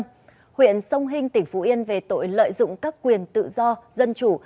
nguyện xông hình tỉnh phú yên về tội lợi dụng các quyền tự do dân chủ